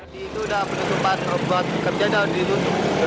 jadi itu udah penutupan robot kerjaan di lutut